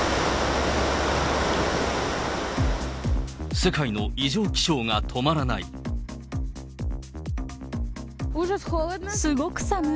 世界の異常気象が止まらない。